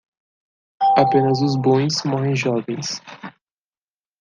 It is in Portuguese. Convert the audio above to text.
Apenas os bons morrem jovens.